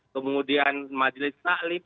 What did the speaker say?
kemudian majlis ta'lim